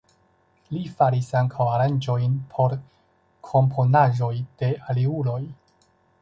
Li faris ankaŭ aranĝojn por komponaĵoj de aliuloj.